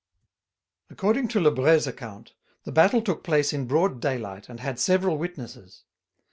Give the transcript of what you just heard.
According to Lebret's account, the battle took place in broad daylight, and had several witnesses.